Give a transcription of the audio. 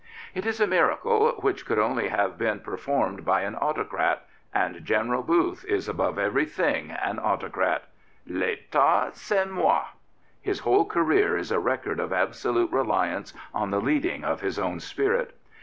It is a miracle which could only have been per formed by an autocrat, and General Booth is above everything an autocrat. " L'^tat ? C'est moi." His whole career is a record of absolute reliance on the leading of his own spirit.